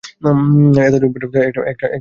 এতদিন পরে একটা জবাবের দাবি উঠিল।